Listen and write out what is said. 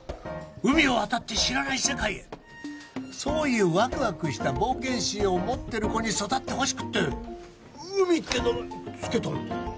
海を渡って知らない世界へそういうワクワクした冒険心を持ってる子に育ってほしくて海って名前付けたんだよ